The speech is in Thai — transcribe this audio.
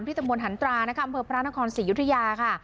ตำบลหันตรานะคะอำเภอพระนครศรียุธยาค่ะ